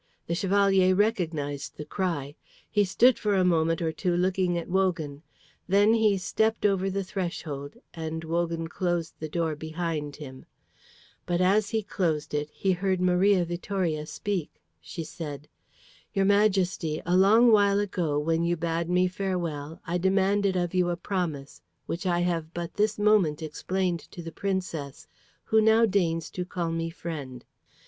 The Chevalier recognised the cry. He stood for a moment or two looking at Wogan. Then he stepped over the threshold, and Wogan closed the door behind him. But as he closed it he heard Maria Vittoria speak. She said, "Your Majesty, a long while ago, when you bade me farewell, I demanded of you a promise, which I have but this moment explained to the Princess, who now deigns to call me friend.